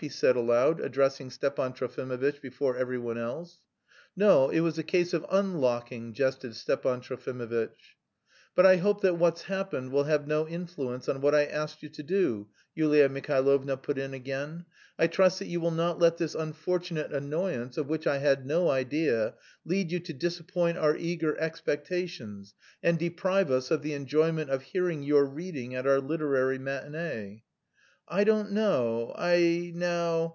he said aloud, addressing Stepan Trofimovitch before every one else. "No, it was a case of unlocking," jested Stepan Trofimovitch. "But I hope that what's happened will have no influence on what I asked you to do," Yulia Mihailovna put in again. "I trust that you will not let this unfortunate annoyance, of which I had no idea, lead you to disappoint our eager expectations and deprive us of the enjoyment of hearing your reading at our literary matinée." "I don't know, I... now..."